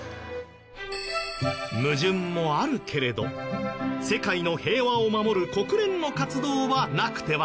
矛盾もあるけれど世界の平和を守る国連の活動はなくてはならないもの。